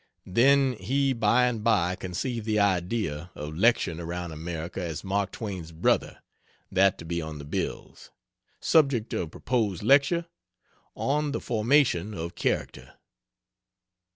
Then he by and by conceived the idea of lecturing around America as "Mark Twain's Brother" that to be on the bills. Subject of proposed lecture, "On the Formation of Character."